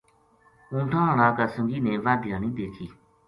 اونٹھاں ہاڑا کا سنگی نے واہ دھیانی دیکھی